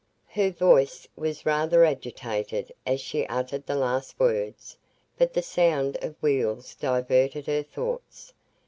Her voice was rather agitated as she uttered the last words, but the sound of wheels diverted her thoughts.